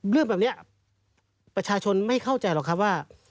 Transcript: เรื่องแบบนี้ประชาชนไม่เข้าใจหรอกครับว่า